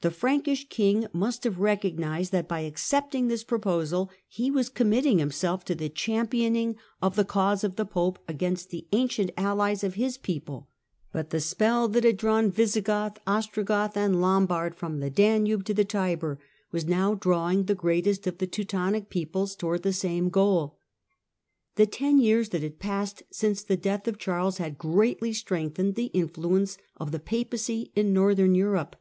The Frankish king must have re cognised that by accepting this proposal he was com mitting himself to the championing of the cause of the Pope against the ancient allies of his people, but the spell that had drawn Visigoth, Ostrogoth and Lombard from the Danube to the Tiber was now drawing the greatest of the Teutonic peoples towards the same goal. The ten years that had passed since the death of Charles had greatly strengthened the influence of the Papacy in Northern Europe.